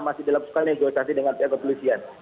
masih dalam sekali negosiasi dengan pihak kepolisian